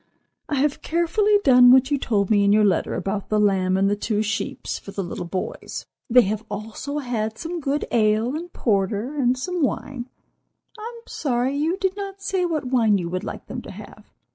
"I have carefully done what you told me in your letter about the lamb and the two 'sheeps' for the little boys. They have also had some good ale and porter and some wine. I am sorry you did not say what wine you would like them to have.